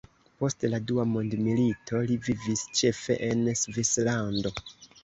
Post la Dua mondmilito li vivis ĉefe en Svislando.